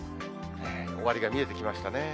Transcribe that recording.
終わりが見えてきましたね。